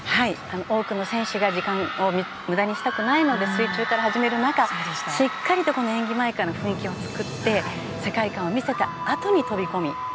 多くの選手が時間を無駄にしたくないので水中から始める中しっかりと演技前からの雰囲気を作って世界観を見せたあとに飛び込み。